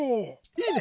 いいね！